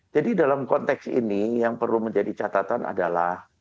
jadi dalam konteks ini yang perlu menjadi catatan adalah